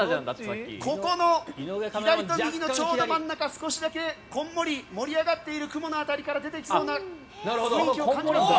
ここの左と右のちょうど真ん中少しだけこんもり盛り上がっている雲の辺りから出てきそうな雰囲気を感じますが。